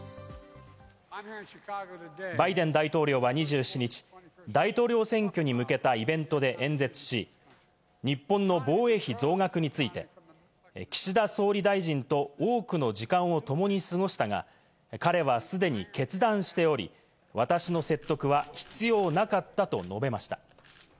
バイデン大統領は２７日、大統領選挙に向けたイベントで演説し、日本の防衛費増額について、岸田総理大臣と多くの時間を共に過ごしたが、彼は既に決断しており、私の説得は必要なかったと述べました。